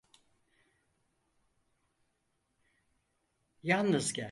Yalnız gel.